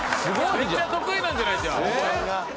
めっちゃ得意なんじゃないじゃあ。